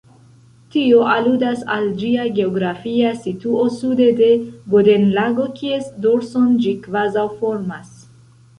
Tio aludas al ĝia geografia situo sude de Bodenlago, kies dorson ĝi kvazaŭ formas.